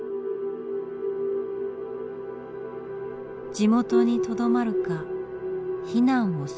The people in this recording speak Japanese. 地元にとどまるか避難をするか。